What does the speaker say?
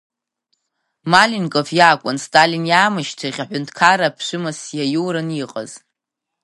Маленков иакәын Сталин иаамышьҭахь аҳәынҭқарра аԥшәымас иаиураны иҟаз.